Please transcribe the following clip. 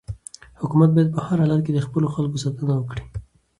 حکومت باید په هر حالت کې د خپلو خلکو ساتنه وکړي.